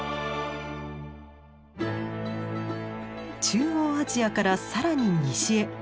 中央アジアから更に西へ。